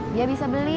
dia bisa beli